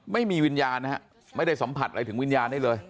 ไม่มีวิญญาณนะฮะไม่ได้สัมผัสอะไรถึงวิญญาณได้เลย